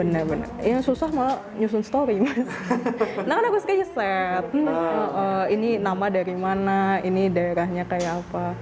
dari mana ini daerahnya kayak apa